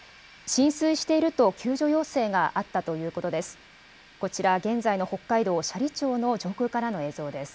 浸水していると救助要請があったということです。